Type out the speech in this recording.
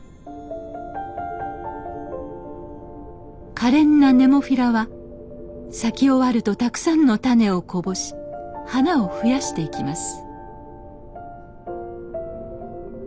かれんなネモフィラは咲き終わるとたくさんの種をこぼし花を増やしていきます